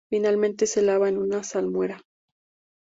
Finalmente se lava en una salmuera.